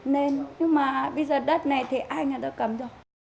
nên nhưng mà bây giờ đất này thì ai người đã cầm rồi